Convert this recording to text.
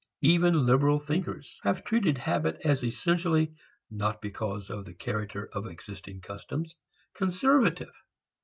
Even liberal thinkers have treated habit as essentially, not because of the character of existing customs, conservative.